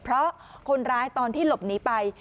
เพราะคนร้ายตอนที่หลบหนีไป